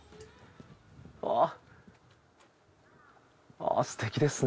あすてきですね。